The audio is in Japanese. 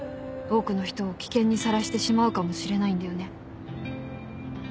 多くの人を危険にさらしてしまうかもしれないんだよね。